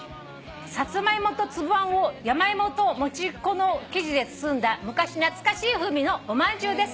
「サツマイモとつぶあんを山芋と餅粉の生地で包んだ昔懐かしい風味のおまんじゅうです」